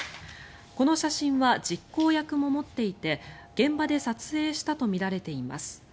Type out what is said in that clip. この写真は実行役も持っていて現場で撮影したとみられています。